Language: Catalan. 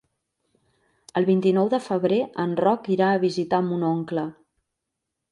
El vint-i-nou de febrer en Roc irà a visitar mon oncle.